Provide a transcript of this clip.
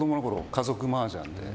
家族マージャンで。